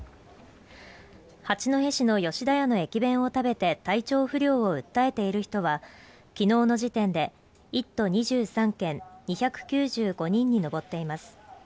八戸市の吉田屋の駅弁を食べて体調不良を訴えている人は昨日の時点で１都２３県２９５人に上っています